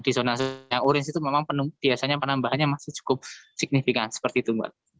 di zona orange itu memang penambahannya masih cukup signifikan seperti itu